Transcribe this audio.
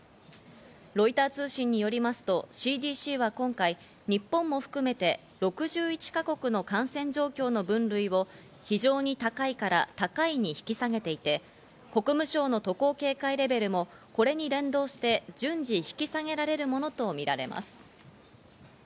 ロイター通信によりますとＣＤＣは今回、日本も含めて６１か国の感染状況の分類を非常に高いから高いに引き下げていて、国務省の渡航警戒レベルもこれに連動して順次、引き下げられるものとみられます。